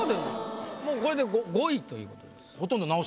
もうこれで５位ということです。